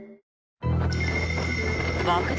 爆弾